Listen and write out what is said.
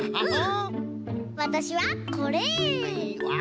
わたしはこれ！わ！